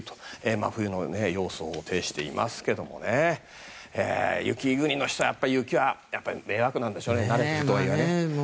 真冬の様相を呈していますが雪国の人には、雪はやっぱり迷惑なんでしょうね。